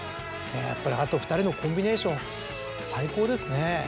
やっぱりあと２人のコンビネーション最高ですね。